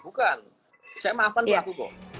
bukan saya maafkan pelaku